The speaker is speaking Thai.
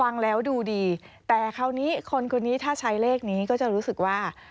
ฟังแล้วดูดีแต่คราวนี้คนคนนี้ถ้าใช้เลขนี้ก็จะรู้สึกว่า